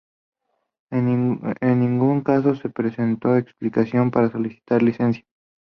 En ningún caso se presentó explicación para solicitar licencia.